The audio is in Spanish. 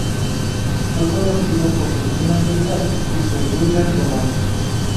Fue conocido por sus minas de sal y sus ruinas romanas.